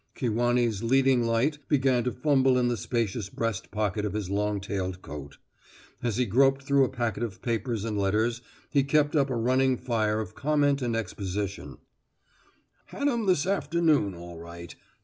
Kewanee's leading light began to fumble in the spacious breast pocket of his long tailed coat. As he groped through a packet of papers and letters, he kept up a running fire of comment and exposition: "Had 'em this afternoon, all right.